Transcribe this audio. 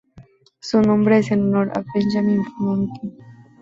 Su nombre es en honor de Benjamin Franklin.